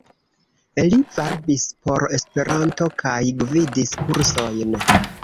Li varbis por Esperanto kaj gvidis kursojn.